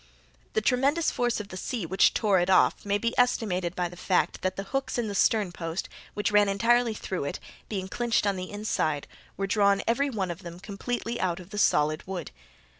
The tremendous force of the sea which tore it off may be estimated by the fact, that the hooks in the stern post, which ran entirely through it, being clinched on the inside, were drawn every one of them completely out of the solid wood.